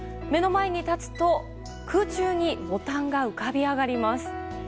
目の前に立つと空中にボタンが浮かび上がります。